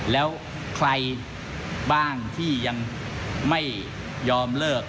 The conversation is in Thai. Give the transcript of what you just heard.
แล้วใครบ้างที่ยังไม่ยอมเลิก